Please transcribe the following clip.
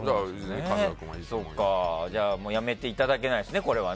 じゃあやめていただけないですねこれは。